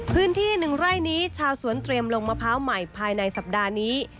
พื้นที่๑ไร่นี้ชาวสวนเตรียมลงมะพร้าวใหม่ภายในสัปดาห์นี้